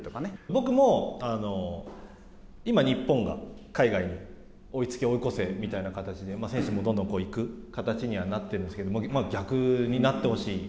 僕も、今、日本が海外に追いつき追い越せみたいな形で選手もどんどん行く形にはなっているんですけれども、逆になってほしい。